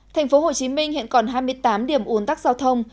thành phố hồ chí minh hiện còn hai mươi tám điểm ủn tắc giao thông